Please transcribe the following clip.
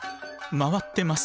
回ってます。